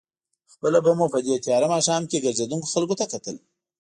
خپله به مو په دې تېاره ماښام کې ګرځېدونکو خلکو ته کتل.